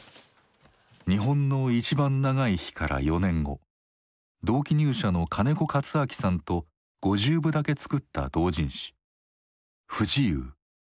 「日本のいちばん長い日」から４年後同期入社の金子勝昭さんと５０部だけ作った同人誌「不自由」。